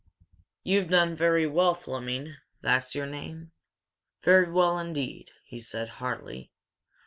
"You've done very well, Fleming that's your name? very well, indeed," he said, heartily.